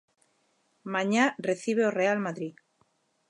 Mañá recibe o Real Madrid.